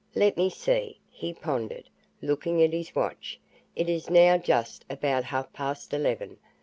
Let me see," he pondered, looking at his watch. "It is now just about half past eleven.